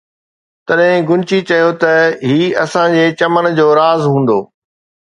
تڏهن گنچي چيو ته هي اسان جي چمن جو راز هوندو